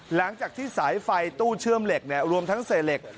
หลังจากที่สายไฟตู้เชื่อมเหล็กรวมทั้งเศษเหล็ก